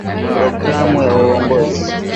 Programu ya uongozi